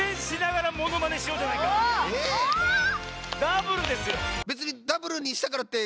⁉ダブルですよ。